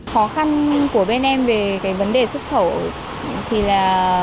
khó khăn của bên em về cái vấn đề xuất khẩu thì là